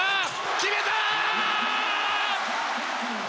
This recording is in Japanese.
決めた！